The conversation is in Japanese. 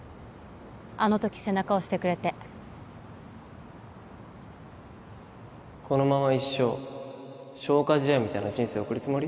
あの時背中押してくれてこのまま一生消化試合みたいな人生送るつもり？